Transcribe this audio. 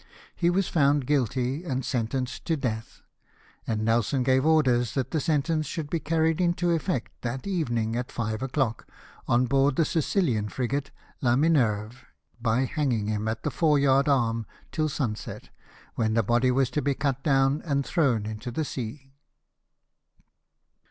He was found guilty, and sentenced to death ; and Nelson gave orders that the sentence should be carried into effect that evening at five o'clock, on board the Sicilian frigate La Minerve, by hanging him at the fore yard arm till sunset, when the body was to be cut down and thrown into the sea.